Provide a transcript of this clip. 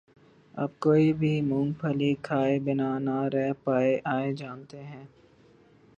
اب کوئی بھی مونگ پھلی کھائے بنا نہ رہ پائے آئیے جانتے ہیں